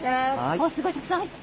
あすごいたくさん入った。